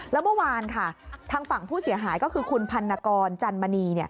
แล้วเมื่อวานค่ะทางฝั่งผู้เสียหายก็คือคุณพันนกรจันมณี